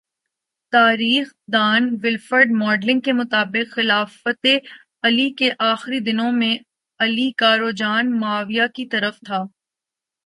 تاریخ دان Wilfred modelling کے مطابق خلافتِ علی کے آخری دنوں میں علی کا رجحان معاویہ کی طرف تھا